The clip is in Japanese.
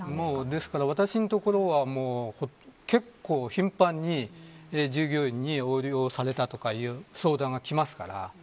ですから、私のところは結構、頻繁に従業員に横領をされたとかいう相談がきますから。